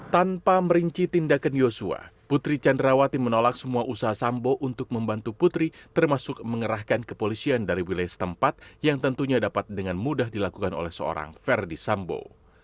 tanpa merinci tindakan yosua putri candrawati menolak semua usaha sambo untuk membantu putri termasuk mengerahkan kepolisian dari wilayah setempat yang tentunya dapat dengan mudah dilakukan oleh seorang verdi sambo